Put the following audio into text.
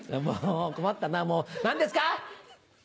もう困ったな何ですか？